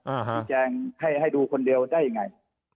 อ่าฮะที่แจ้งให้ให้ดูคนเดียวได้ยังไง